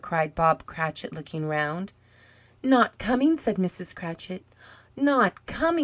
cried Bob Cratchit, looking around. "Not coming," said Mrs. Cratchit. "Not coming?"